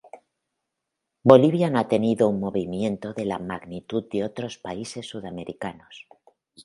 Bolivia no ha tenido un movimiento de la magnitud de otros países sudamericanos.